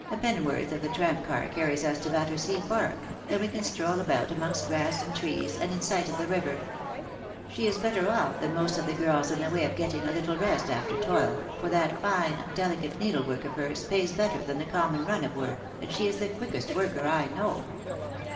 A penn'orth of the tramcar carries us to Bat tersea Park, and we can stroll about amongst grass and trees, and in sight of the river. She is better off than most of the girls in the way of getting a little rest after toil, for that fine, delicate needlework of hers pays better than the common run of work, and she is the quickest worker I know."